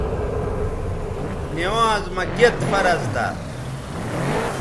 نِوانز مہ کِت فرض تھا